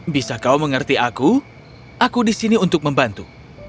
bisa kau mengerti aku aku di sini untuk membantu